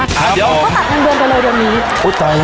ก็ตัดเงินเดือนไปเลยเดี๋ยวนี้